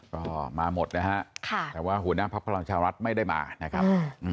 ขอบรับหมดแล้วครับเริ่มเรียบร้อยครับไม่มีปัญหาครับ